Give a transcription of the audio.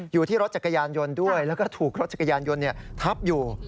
อยู่ที่รถจักรยานยนต์ด้วยแล้วก็ถูกรถจักรยานยนต์ทับอยู่